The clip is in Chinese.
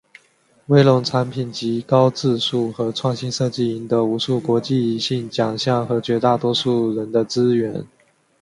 威龙产品籍高质素和创新设计赢得无数国际性奖项和绝大多数人的支援。